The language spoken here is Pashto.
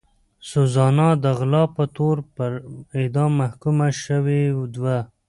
سوزانا د غلا په تور پر اعدام محکومه شوې وه.